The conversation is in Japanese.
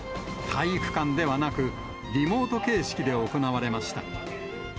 体育館ではなく、リモート形式で行われました。